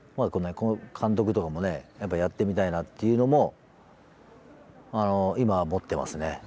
監督とかもねやっぱやってみたいなっていうのも今は持ってますね気持ちとしては。